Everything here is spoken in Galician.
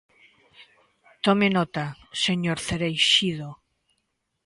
Tome nota, señor Cereixido.